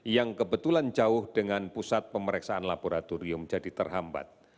yang kebetulan jauh dengan pusat pemeriksaan laboratorium jadi terhambat